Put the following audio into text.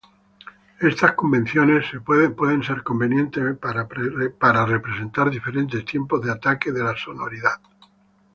Estas convenciones pueden ser convenientes para representar diferentes tiempos de ataque de la sonoridad.